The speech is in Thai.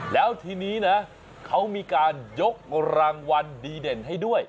แล้วทีนี้นะเขามีการยกรางวัลดีเด่นให้ด้วย